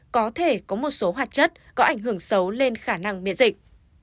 có thể có một số hoạt chất có ảnh hưởng xấu lên khả năng miễn dịch